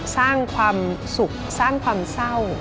สร้างความสุขสร้างความเศร้า